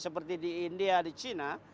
seperti di india di china